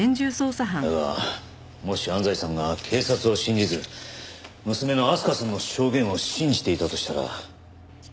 だがもし安西さんが警察を信じず娘の明日香さんの証言を信じていたとしたら。